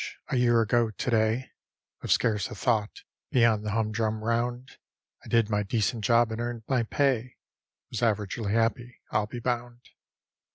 A year ago to day, With scarce a thought beyond the hum drum round, I did my decent job and earned my pay; Was averagely happy, I'll be bound.